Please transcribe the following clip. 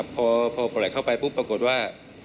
พอผลักเข้าไปปุ๊บปรากฏว่า